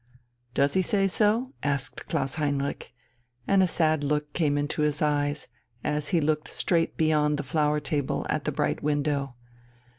"Does he say so?" asked Klaus Heinrich, and a sad look came into his eyes, as he looked straight beyond the flower table at the bright window....